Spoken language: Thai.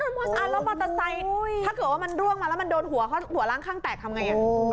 แล้วมอเตอร์ไซค์ถ้าเกิดว่ามันร่วงมาแล้วมันโดนหัวเขาหัวล้างข้างแตกทำไง